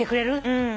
うん。